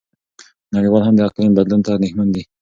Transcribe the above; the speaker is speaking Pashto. نړیوال هم د اقلیم بدلون ته اندېښمن دي.